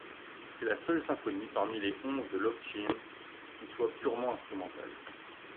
C'est la seule symphonie parmi les onze de Lokchine, qui soit purement instrumentale.